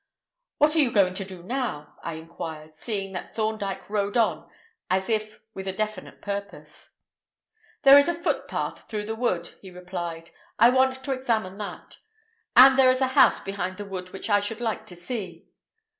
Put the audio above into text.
"What are you going to do now?" I inquired, seeing that Thorndyke rode on as if with a definite purpose. "There is a footpath through the wood," he replied. "I want to examine that. And there is a house behind the wood which I should like to see."